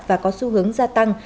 và có xu hướng gia tăng